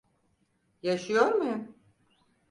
Yaşıyor muyum?